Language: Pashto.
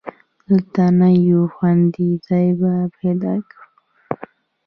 دلته نه، یو خوندي ځای به پیدا کړو.